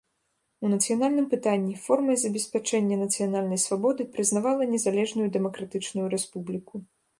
У нацыянальным пытанні формай забеспячэння нацыянальнай свабоды прызнавала незалежную дэмакратычную рэспубліку.